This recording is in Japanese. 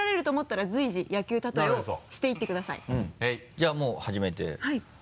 じゃあもう始めて。